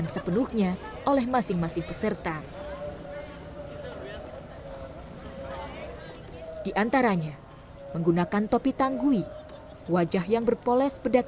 se opportuni berubah